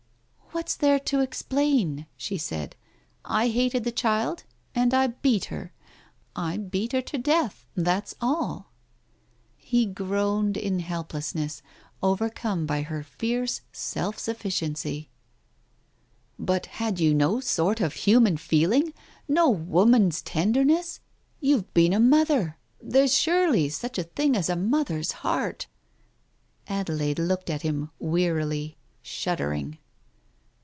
"What's there to explain?" she said. "I hated the child, and I beat her. I beat her to death, that's all I " He groaned in helplessness, overcome by her fierce self sufficiency. Digitized by Google THE TIGER SKIN 315 "But had you no sort of human feeling, no woman's tenderness ? You've been a mother — there's surely such a thing as a mother's heart ...?" Adelaide looked at him wearily, shuddering.